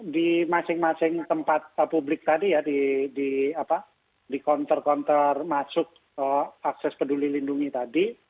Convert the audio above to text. di masing masing tempat publik tadi ya di konter konter masuk akses peduli lindungi tadi